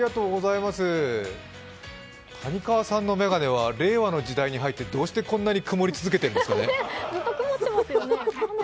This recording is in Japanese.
谷川さんの眼鏡は令和の時代に入ってどうしてこんなに曇り続けてるんですかね。